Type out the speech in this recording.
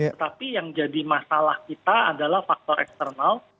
tetapi yang jadi masalah kita adalah faktor eksternal